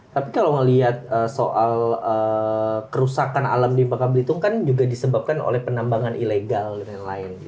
tapi kalau melihat soal kerusakan alam di bangka belitung kan juga disebabkan oleh penambangan ilegal dan lain lain